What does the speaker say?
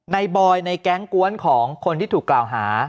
บอยในแก๊งกวนของคนที่ถูกกล่าวหา